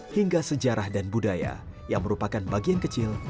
hingga sejarah dan budaya yang merupakan bagian kecil